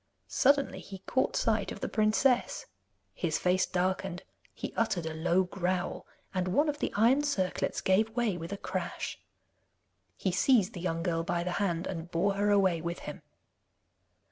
Suddenly he caught sight of the princess; his face darkened, he uttered a low growl, and one of the iron circlets gave way with a crash. He seized the young girl by the hand and bore her away with him.